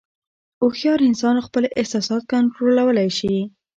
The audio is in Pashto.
هوښیار انسان خپل احساسات کنټرولولی شي.